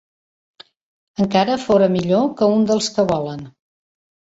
Encara fora millor que un dels que volen